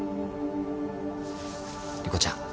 莉子ちゃん